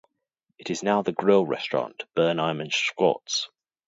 It is now the grill restaurant, Burnheim and Scwartz.